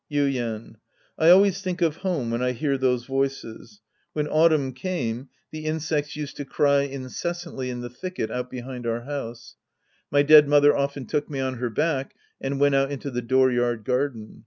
Yuien. I always think of home when I hear those voices. When autumn came, the insects used to cry Sc. II The Priest and His Disciples 121 incessantly in the thicket out behind our house. My dead mother often took me on her back and went out into the dooryard garden.